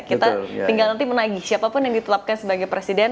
kita tinggal nanti menagih siapapun yang ditetapkan sebagai presiden